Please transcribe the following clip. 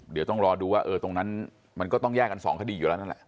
เดี๋ยวต้องรอดูว่าตรงนั้นมันก็ต้องแยกกันสองคดีอยู่แล้วนั่นแหละ